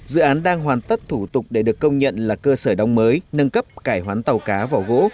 dự án đang hoàn tất thủ tục để được công nhận là cơ sở đóng mới nâng cấp cải hoán tàu cá vỏ gỗ